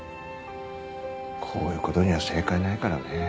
こういう事には正解ないからね。